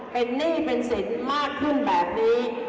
เป็นหนี้เป็นสินมากขึ้นแบบนี้